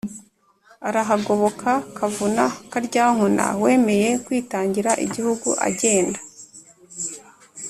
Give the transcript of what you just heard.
arahagoboka kavuna karyankuna wemeye kwitangira igihugu, agenda